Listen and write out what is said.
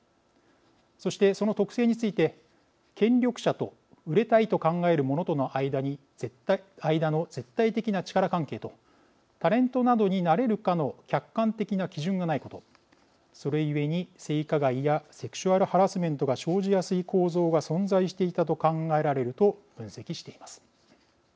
そして、その特性について権力者と売れたいと考える者との間の絶対的な力関係とタレントなどになれるかの客観的な基準がないことそれゆえに性加害やセクシュアルハラスメントが生じやすい構造が存在していたと考えられると分析しています。